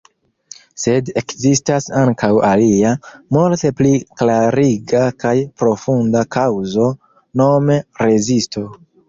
Sed ekzistas ankaŭ alia, multe pli klariga kaj profunda kaŭzo, nome rezisto.